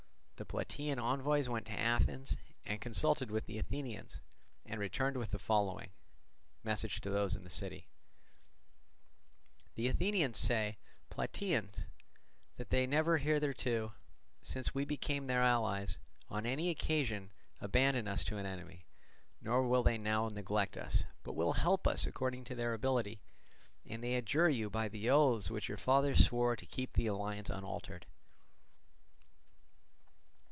The Plataean envoys went to Athens, and consulted with the Athenians, and returned with the following message to those in the city: "The Athenians say, Plataeans, that they never hitherto, since we became their allies, on any occasion abandoned us to an enemy, nor will they now neglect us, but will help us according to their ability; and they adjure you by the oaths which your fathers swore, to keep the alliance unaltered."